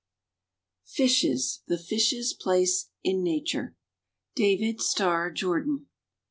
FISHES THE FISH'S PLACE IN NATURE. DAVID STARR JORDAN.